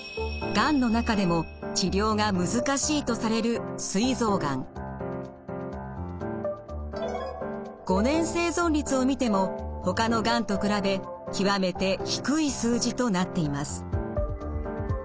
がんの中でも治療が難しいとされる５年生存率を見てもほかのがんと比べ極めて低い数字となっています。